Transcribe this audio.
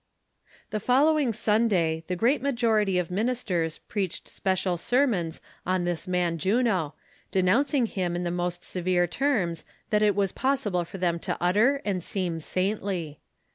The following Sunday the great majority of ministers preached special sermons on this man Juno, denouncing him in the most severe terms that it was possible for them to utter and seem saintly.